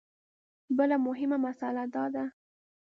بله مهمه مسله دا ده.